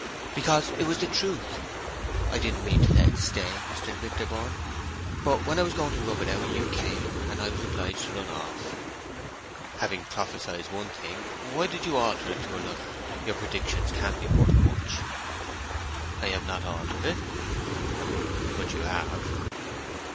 "Because it was the truth. I didn't mean to let it stay, Mr. Winterborne; but when I was going to rub it out you came, and I was obliged to run off." "Having prophesied one thing, why did you alter it to another? Your predictions can't be worth much." "I have not altered it." "But you have."